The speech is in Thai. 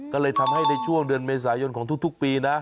ก็เลยทำให้ในช่วงเดือนเมษายนของทุกปีนะ